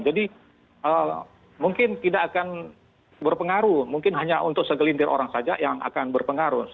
jadi mungkin tidak akan berpengaruh mungkin hanya untuk segelintir orang saja yang akan berpengaruh